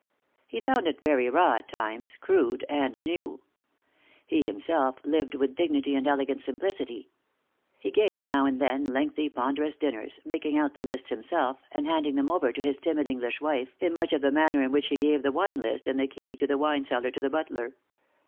He found it very raw at times, crude and new. He himself lived with dignity and elegant simplicity. He gave now and then lengthy, ponderous dinners, making out the lists himself, and handing them over to his timid English wife in much the manner in which he gave the wine list and the key to the wine cellar to the butler.